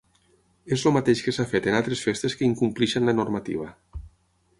És el mateix que s’ha fet en altres festes que incompleixen la normativa.